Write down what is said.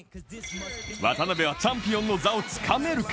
渡邊はチャンピオンの座をつかめるか。